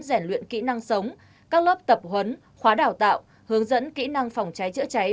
rèn luyện kỹ năng sống các lớp tập huấn khóa đào tạo hướng dẫn kỹ năng phòng cháy chữa cháy